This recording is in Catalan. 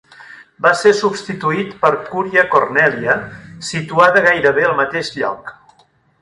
Va ser substituït per Curia Cornelia, situada gairebé al mateix lloc.